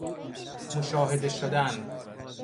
مشاهده شدن